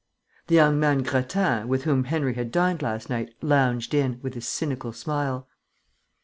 The young man Grattan, with whom Henry had dined last night, lounged in, with his cynical smile.